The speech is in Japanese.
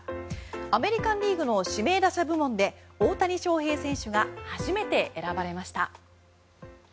アメリカン・リーグの指名打者部門で大谷翔平選手が初めて選ばれました。